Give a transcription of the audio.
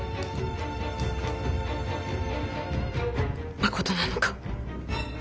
まことなのか。